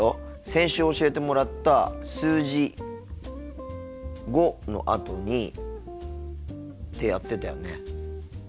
先週教えてもらった数字「５」のあとにってやってたよね。